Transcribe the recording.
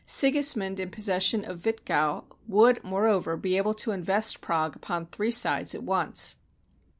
Sigis mund in possession of Witkow would, moreover, be able to invest Prague upon three sides at once.